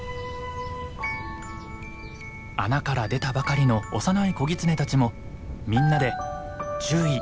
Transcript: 穴から出たばかりの幼い子ギツネたちもみんなで注意。